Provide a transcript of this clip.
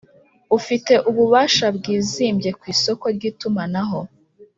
Ufite ububasha bwizimbye ku isoko ry’ itumanaho